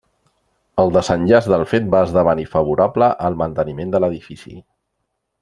El desenllaç del fet va esdevenir favorable al manteniment de l'edifici.